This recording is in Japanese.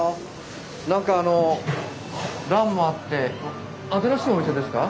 何かあの蘭もあって新しいお店ですか？